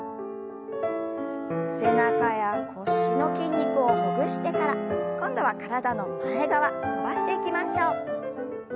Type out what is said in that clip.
背中や腰の筋肉をほぐしてから今度は体の前側伸ばしていきましょう。